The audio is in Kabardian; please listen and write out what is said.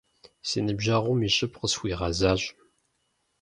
Си ныбжьэгъум и щӏыб къысхуигъэзащ.